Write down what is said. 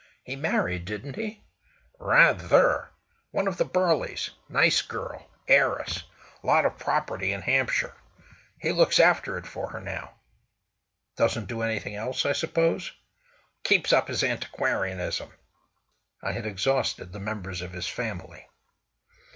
He married, didn't he?" "Rather! One of the Burleys. Nice girl—heiress; lot of property in Hampshire. He looks after it for her now." "Doesn't do anything else, I suppose?" "Keeps up his antiquarianism." I had exhausted the members of his family.